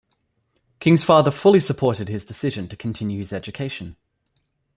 King's father fully supported his decision to continue his education.